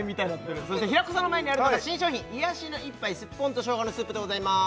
そして平子さんの前にあるのが新商品癒しの一杯すっぽんと生姜のスープでございます